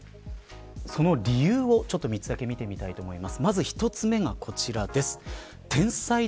その理由を３つだけ見てみたいと思います。